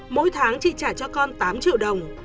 mỗi tháng chị trả cho con tám triệu đồng